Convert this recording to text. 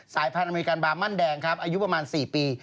สายพันธ์อเมริกาบาร์มั่นแดงครับอายุประมาณ๔ปี